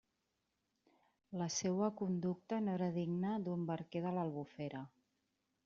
La seua conducta no era digna d'un barquer de l'Albufera.